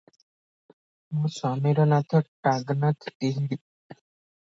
ମୋ ସ୍ୱାମୀର ନାମ ଟାଗନାଥ ତିହଡି ।